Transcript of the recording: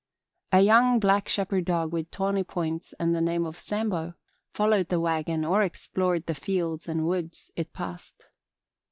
... A young black shepherd dog with tawny points and the name of Sambo followed the wagon or explored the fields and woods it passed.